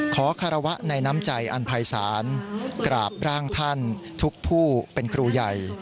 คารวะในน้ำใจอันภัยศาลกราบร่างท่านทุกผู้เป็นครูใหญ่